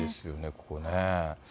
ここね。